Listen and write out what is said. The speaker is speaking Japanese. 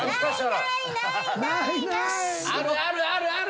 あるあるあるある！